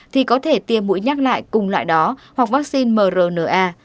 thì có thể tiêm mũi nhắc lại cùng loại đó hoặc vaccine mrna